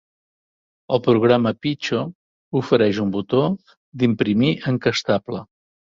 El programa Peecho ofereix un botó d'imprimir encastable.